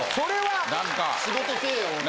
仕事せえよ。